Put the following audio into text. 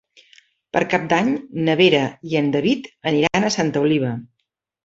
Per Cap d'Any na Vera i en David aniran a Santa Oliva.